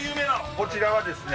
こちらはですね